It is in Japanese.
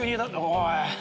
おい！